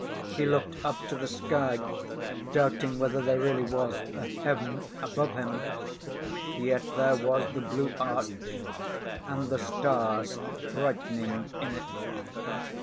He looked up to the sky, doubting whether there really was a heaven above him. Yet there was the blue arch, and the stars brightening in it.